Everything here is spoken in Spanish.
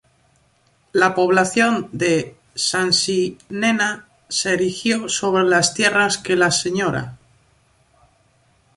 La población de Sansinena se erigió sobre las tierras que la sra.